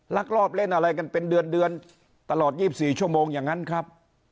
ลักลอบเล่นอะไรกันเป็นเดือนเดือนตลอด๒๔ชั่วโมงอย่างนั้นครับ